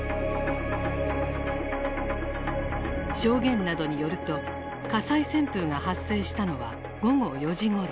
証言などによると火災旋風が発生したのは午後４時ごろ。